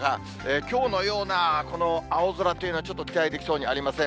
きょうのようなこの青空というのは、ちょっと期待できそうにありません。